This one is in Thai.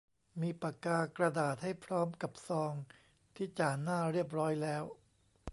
มีปากกา กระดาษ ให้พร้อมกับซองที่จ่าหน้าเรียบร้อยแล้ว